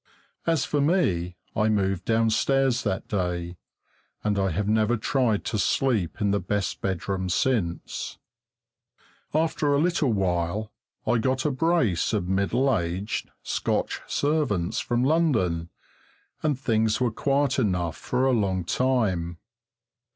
As for me, I moved downstairs that day, and I have never tried to sleep in the best bedroom since. After a little while I got a brace of middle aged Scotch servants from London, and things were quiet enough for a long time.